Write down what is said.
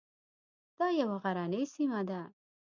دا یوه غرنۍ سیمه ده.